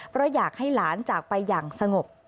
เพราะอยากให้หลานจากไปอย่างสงบ